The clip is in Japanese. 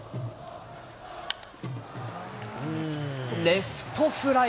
レフトフライ。